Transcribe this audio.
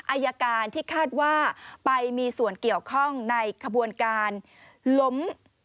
อายการที่คาดว่าไปมีส่วนเกี่ยวข้องในขบวนการล้ม